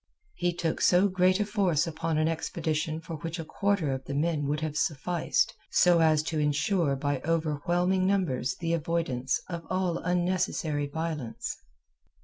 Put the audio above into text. He took so great a force upon an expedition for which a quarter of the men would have sufficed so as to ensure by overwhelming numbers the avoidance of all unnecessary violence.